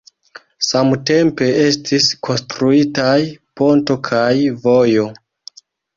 Samtempe estis konstruitaj ponto kaj vojo.